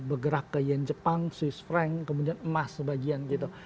bergerak ke yen jepang swiss frank kemudian emas sebagian gitu